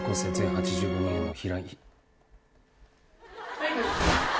はい。